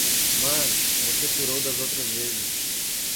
Mas, você curou das outras vezes.